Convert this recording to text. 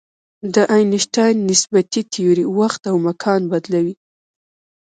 د آینشټاین نسبیتي تیوري وخت او مکان بدلوي.